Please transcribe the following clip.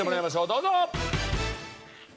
どうぞ！